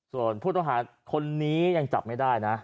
ส่วนผู้ต้องหาคนนี้ยังจับไม่ได้นะ